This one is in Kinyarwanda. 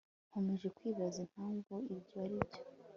nkomeje kwibaza impamvu ibyo aribyo